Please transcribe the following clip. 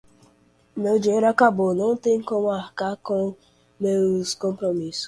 Meu dinheiro acabou, não tenho como arcar com meus compromissos.